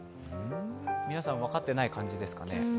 皆さん、分かってない感じですかね